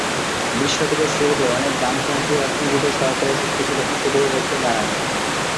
বিশ শতকের শুরুতে, অনেক বামপন্থী অর্থনীতিতে সরকারের শক্তিশালী হস্তক্ষেপের পক্ষে দাঁড়ান।